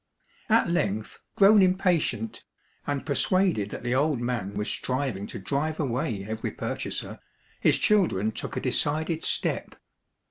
At length, grown impatient, and persuaded that the old man was striving to drive away every pur chaser, his children took a decided step.